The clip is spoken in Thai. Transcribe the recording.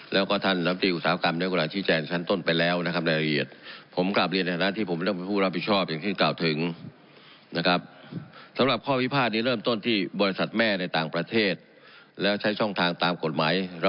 แล้วก็ทางน้ำเตียงขุมศาลกรรม